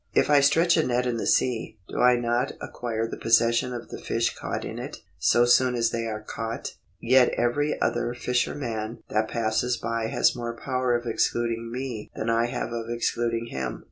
If I stretch a net in the sea, do I not acquire the possession of the fish caught in it, so soon as they are caught ? Yet every other fisherman that passes by has more power of excluding me than I have of excluding him.